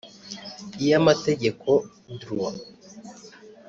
iy’amategeko (Droit)